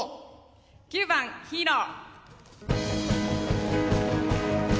９番「ヒーロー」。